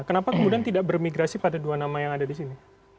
kenapa kemudian tidak bermigrasi pada dua nama yang ada di sini